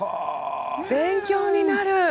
勉強になる！